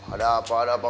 ada apa ada apa